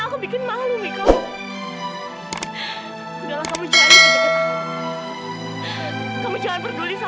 aku belum bicara